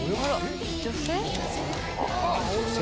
女性？